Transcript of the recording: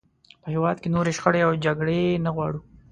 په هېواد کې نورې شخړې او جګړې نه غواړو.